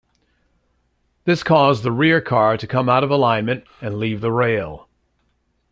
This caused the rear car to come out of alignment and leave the rail.